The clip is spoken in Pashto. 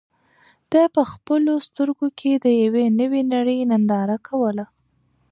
ده په خپلو سترګو کې د یوې نوې نړۍ ننداره کوله.